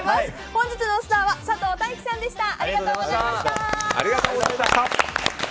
本日のスターは佐藤大樹さんでした。